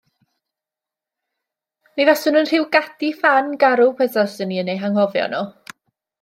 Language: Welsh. Mi faswn yn rhyw gadi ffan garw petaswn i yn eu hanghofio nhw.